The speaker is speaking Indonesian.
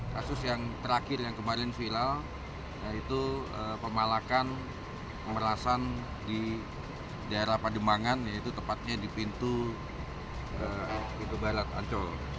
kasus yang terakhir yang kemarin viral yaitu pemalakan pemerasan di daerah pademangan yaitu tepatnya di pintu pintu barat ancol